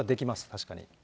確かに。